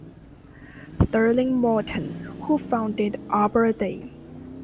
Sterling Morton who founded Arbor Day.